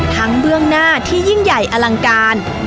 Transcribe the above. เบื้องหน้าที่ยิ่งใหญ่อลังการ